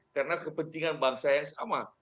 karena kepentingan bangsa yang sama